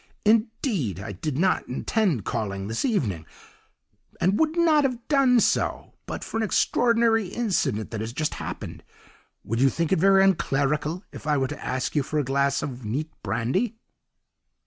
Indeed, I did not intend calling this evening, and would not have done so but for an extraordinary incident that has just happened. Would you think it very unclerical if I were to ask you for a glass of neat brandy?